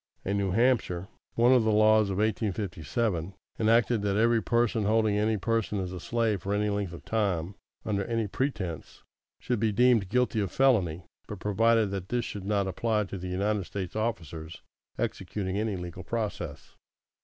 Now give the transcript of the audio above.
In New Hampshire, one of the laws of 1857 enacted that every person holding any person as a slave for any length of time, under any pretence, should be deemed guilty of felony; but provided that this should not apply to United States officers executing any legal process.